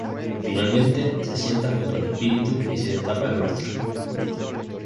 Finalmente, se sienta junto al espíritu y se destapa el rostro.